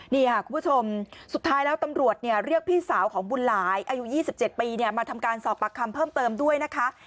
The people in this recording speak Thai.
นี่ค่ะคุณผู้ชมสุดท้ายแล้วตำรวจเรียกพี่สาวของบุญหลายอายุ๒๗ปีมาทำการสอบปากคำเพิ่มเติมด้วยนะคะ